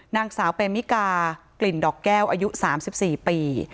นางสาวเปมิกากลิ่นดอกแก้วอายุ๓๔ปี